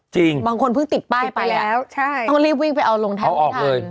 จริงบางคนเพิ่งติดป้ายไปแล้วติดไปแล้วใช่ต้องรีบวิ่งไปเอาลงเอาออกเลย